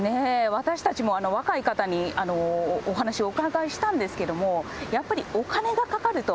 私たちも若い方にお話をお伺いしたんですけど、やっぱりお金がかかると。